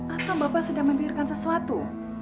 atau bapak sedang membiarkan sesuatu